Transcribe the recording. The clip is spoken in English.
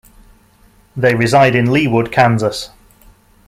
They reside in Leawood, Kansas.